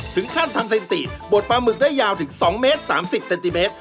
ถึงขั้นทำซินติบดปลาหมึกได้ยาวถึง๒๓เมตร